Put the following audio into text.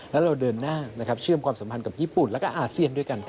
แล้วเราเดินหน้านะครับเชื่อมความสัมพันธ์กับญี่ปุ่นแล้วก็อาเซียนด้วยกัน